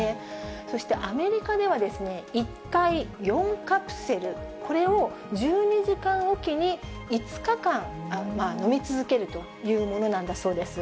そしてアメリカでは、１回４カプセル、これを１２時間置きに５日間飲み続けるというものなんだそうです。